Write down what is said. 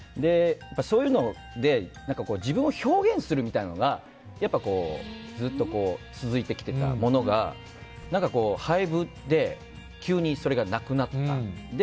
そういうので自分を表現するみたいなのがずっと続いてきてたものが廃部で急にそれがなくなった。